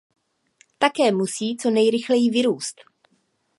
Také musí co nejrychleji vyrůst.